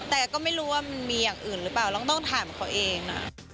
แต่ก็ไม่รู้ว่ามันมีอย่างอื่นหรือเปล่าเราต้องถ่ายของเขาเองนะ